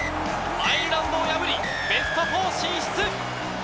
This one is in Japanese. アイルランドを破りベスト４進出！